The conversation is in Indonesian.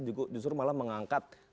justru malah mengangkat